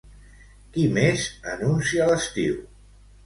Qui més anuncia l'estiu?